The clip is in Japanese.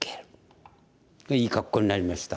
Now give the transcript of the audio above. いい格好になりました。